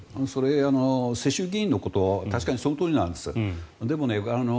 世襲議員のこと確かにそのとおりなんです。